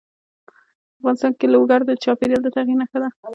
افغانستان کې لوگر د چاپېریال د تغیر نښه ده.